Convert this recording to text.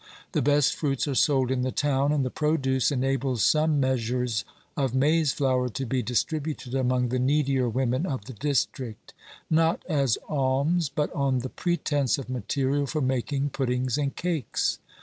The best fruits are sold in the town, and the produce enables some measures of maize flour to be distributed among the needier women of the district, not as alms but on the pretence of material for making puddings and cakes.